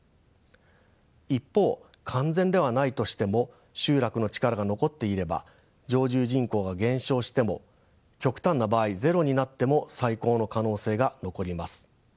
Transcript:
一方完全ではないとしても集落の力が残っていれば常住人口が減少しても極端な場合ゼロになっても再興の可能性が残ります。